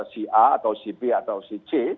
si a atau si b atau si c